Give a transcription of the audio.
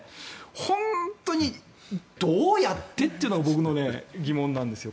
本当にどうやって？というのが僕の疑問なんですよ。